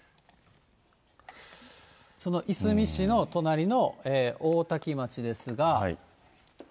そのいすみ市の隣の大多喜町ですが。